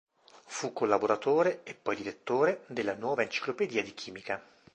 Fu collaboratore, e poi direttore, della "Nuova enciclopedia di chimica".